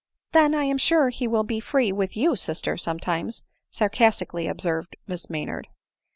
" Then I am sure he would be free with you, sister, sometimes," sarcastically observed Miss Maynard, ADELINE MOWBRAY.